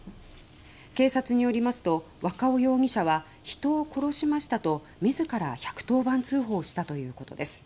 警察によりますと若尾容疑者は人を殺しましたと自ら１１０番通報したということです。